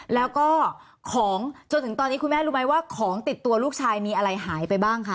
แล้วก็ของจนถึงตอนนี้คุณแม่รู้ไหมว่าของติดตัวลูกชายมีอะไรหายไปบ้างคะ